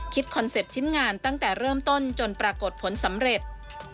คอนเซ็ปต์ชิ้นงานตั้งแต่เริ่มต้นจนปรากฏผลสำเร็จ